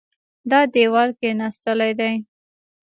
دا دېوال کېناستلی دی.